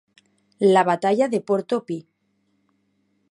La "Batalla de Porto Pi".